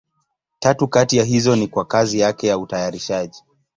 Tatu kati ya hizo ni kwa kazi yake ya utayarishaji.